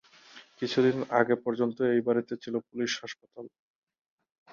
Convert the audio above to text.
কিছু দিন আগে পর্যন্তও এই বাড়িতেই ছিল পুলিশ হাসপাতাল।